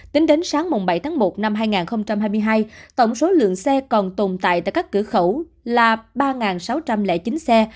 tính đến sáng bảy tháng một năm hai nghìn hai mươi hai tổng số lượng xe còn tồn tại tại các cửa khẩu là ba sáu trăm linh chín xe